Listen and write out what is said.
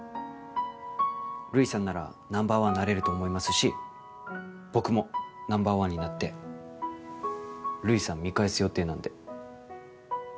ルイさんならナンバー１なれると思いますし僕もナンバー１になってルイさん見返す予定なんで。